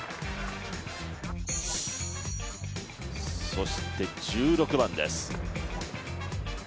そして１６番です。